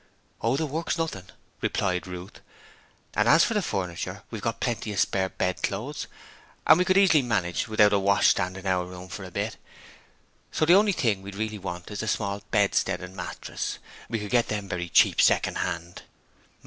'Oh, the work's nothing,' replied Ruth, 'and as for the furniture, we've got plenty of spare bedclothes, and we could easily manage without a washstand in our room for a bit, so the only thing we really want is a small bedstead and mattress; we could get them very cheap second hand.'